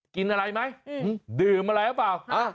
กินอะไรไหมดื่มอะไรหรือเปล่า